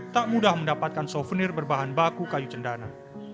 tak mudah mendapatkan souvenir berbahan baku kayu cendana